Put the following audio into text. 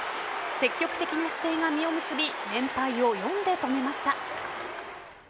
積極的な姿勢が実を結び連敗を４で止めました。